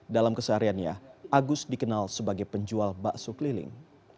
dalam kesehariannya agus dikenal sebagai penjual bakso keliling